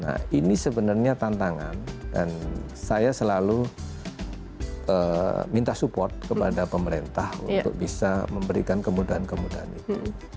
nah ini sebenarnya tantangan dan saya selalu minta support kepada pemerintah untuk bisa memberikan kemudahan kemudahan itu